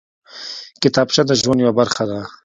کتابچه د ژوند یوه برخه ده